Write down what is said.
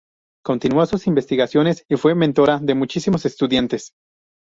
Continuó sus investigaciones y fue mentora de muchísimos estudiantes.